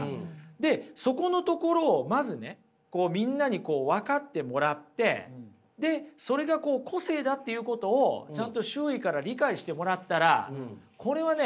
でそこのところをまずねみんなに分かってもらってでそれが個性だっていうことをちゃんと周囲から理解してもらったらこれはね